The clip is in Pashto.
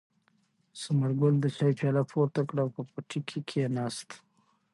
ثمرګل د چای پیاله پورته کړه او په پټي کې کېناست.